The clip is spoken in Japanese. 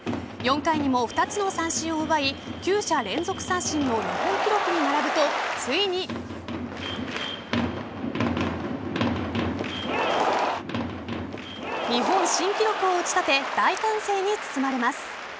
４回にも２つの三振を奪い９者連続三振の日本記録に並ぶとついに。日本新記録を打ち立て大歓声に包まれます。